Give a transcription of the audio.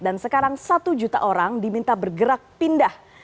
dan sekarang satu juta orang diminta bergerak pindah